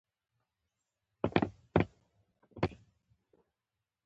تودوخه د افغانستان د فرهنګي فستیوالونو برخه ده.